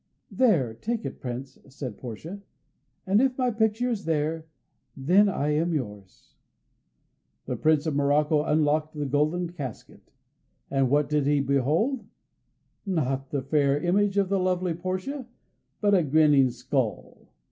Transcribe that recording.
"There, take it, Prince," said Portia, "and if my picture is there, then I am yours." The Prince of Morocco unlocked the golden casket. And what did he behold?... Not the fair image of the lovely Portia, but a grinning skull.